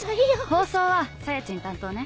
放送はサヤちん担当ね。